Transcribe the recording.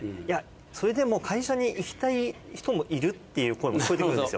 それでも会社に行きたい人もいるっていう声も聞こえてくるんですよ。